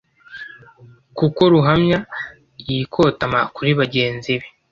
kuko ruhamanya yikotama kuri bagenzi be